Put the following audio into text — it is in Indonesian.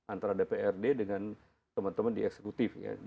antara dprd dengan teman teman di eksekutif ya